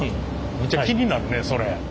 めっちゃ気になるねそれ！